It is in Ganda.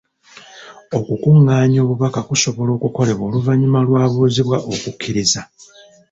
Okukungaanya obubaka kusobola kukolebwa oluvannyuma lw'abuuzibwa okukkiriza.